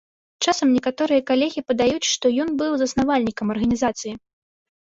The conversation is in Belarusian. Часам некаторыя калегі падаюць, што ён быў заснавальнікам арганізацыі.